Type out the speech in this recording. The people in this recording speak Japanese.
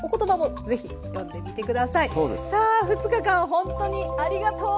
さあ２日間ほんとにありがとうございました。